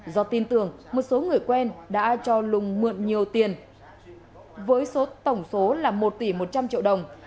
do tin tưởng một số người quen đã cho lùng mượn nhiều tiền với tổng số là một tỷ một trăm linh triệu đồng